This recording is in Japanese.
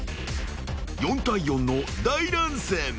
［４対４の大乱戦］